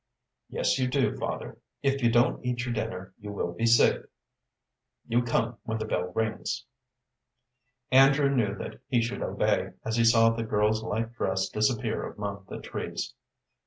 "Yes, you do, father. If you don't eat your dinner you will be sick. You come when the bell rings." Andrew knew that he should obey, as he saw the girl's light dress disappear among the trees.